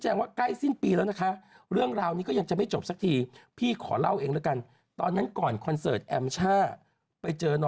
นางคิดแบบว่าไม่ไหวแล้วไปกด